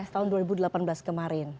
tahun dua ribu delapan belas kemarin